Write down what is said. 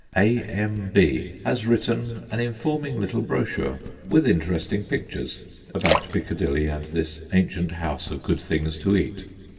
' A. M. B. ' has written an 262 THE GHOSTS OF PICCADILLY informing little brochure, with interesting pictures, about Piccadilly and this ancient house of good things to eat.